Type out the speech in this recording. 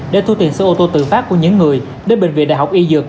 để thu tiền xe ô tô tự phát của những người đến bệnh viện đại học y dược